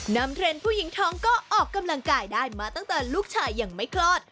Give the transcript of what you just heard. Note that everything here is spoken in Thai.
เทรนด์ผู้หญิงท้องก็ออกกำลังกายได้มาตั้งแต่ลูกชายยังไม่คลอด